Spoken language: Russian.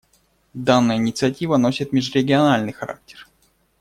Данная инициатива носит межрегиональный характер.